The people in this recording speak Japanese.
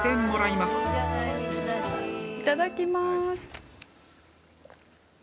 ◆いただきまーす。